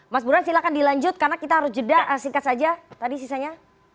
mas burhan silahkan dilanjut karena kita harus jeda singkat saja tadi sisanya